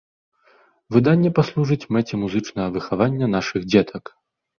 Выданне паслужыць мэце музычнага выхавання нашых дзетак.